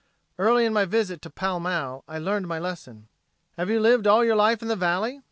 Early in my visit to Pall Mall I learned my lesson. "Have you lived all your life in the valley?"